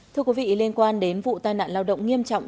thưa quý vị liên quan đến vụ tai nạn lao động nghiêm trọng